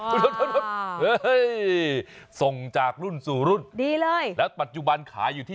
มาตรงจากรุ่นสู่รุ่นดีเลยและปัจจุบันขายอยู่ที่